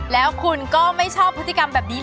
แล้วคุณพูดกับอันนี้ก็ไม่รู้นะผมว่ามันความเป็นส่วนตัวซึ่งกัน